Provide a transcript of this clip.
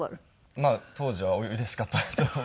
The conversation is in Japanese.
まあ当時はうれしかったと思います。